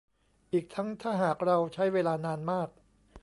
อีกทั้งถ้าหากเราใช้เวลานานมาก